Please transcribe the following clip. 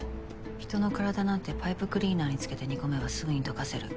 人の体なんてパイプクリーナーにつけて煮込めばすぐに溶かせる。